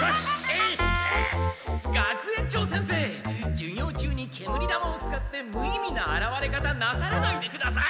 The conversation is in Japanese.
授業中に煙玉を使ってむ意味なあらわれ方なさらないでください！